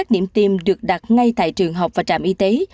tiêm được đặt ngay tại trường học và trạm y tế